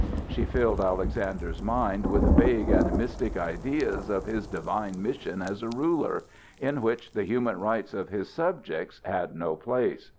She filled Alexander's mind with vague and mystic ideas of his divine mission as a ruler, in which the human rights of his subjects had no place.